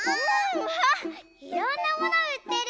うわいろんなものうってる。